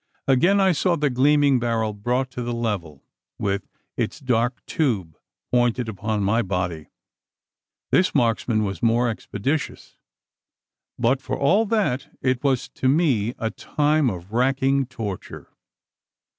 Again I saw the gleaming barrel brought to the level, with its dark tube pointed upon my body. This marksman was more expeditious; but for all that, it was to me a time of racking torture.